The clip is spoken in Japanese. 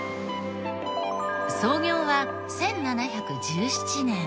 創業は１７１７年。